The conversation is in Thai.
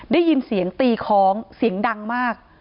ได้ยินเสียงตีคล้องเสียงดังมาก